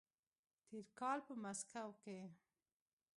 تېر کال په مسکو کې